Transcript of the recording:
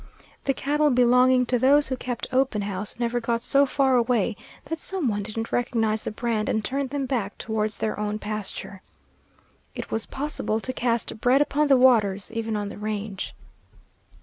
The cattle belonging to those who kept open house never got so far away that some one didn't recognize the brand and turn them back towards their own pasture. It was possible to cast bread upon the waters, even on the range.